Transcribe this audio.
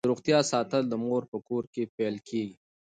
د روغتیا ساتل د مور په کور کې پیل کیږي.